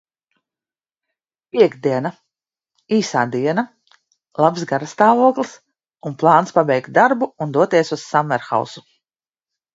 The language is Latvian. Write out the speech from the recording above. Piektdiena, īsā diena, labs garastāvoklis un plāns pabeigt darbu un doties uz sammerhausu.